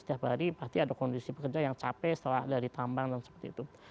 setiap hari pasti ada kondisi pekerja yang capek setelah dari tambang dan seperti itu